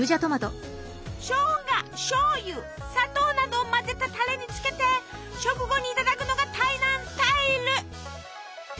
しょうがしょうゆ砂糖などを混ぜたタレにつけて食後にいただくのが台南スタイル！